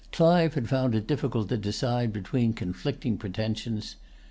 Clive had found it difficult to decide between conflicting pretensions.